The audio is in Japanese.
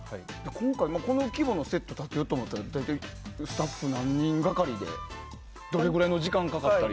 今回、この規模のセットを建てようと思ったら大体スタッフ何人ぐらいでどれくらいの時間がかかったり？